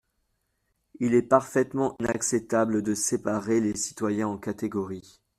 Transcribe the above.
Il est parfaitement inacceptable de séparer les citoyens en catégories.